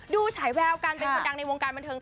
ฉายแววกันเป็นคนดังในวงการบันเทิง